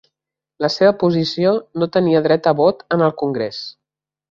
La seva posició no tenia dret a vot en el Congrés.